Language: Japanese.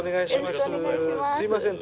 すみません